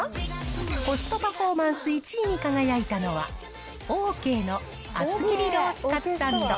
コストパフォーマンス１位に輝いたのは、オーケーの厚切りロースカツサンド。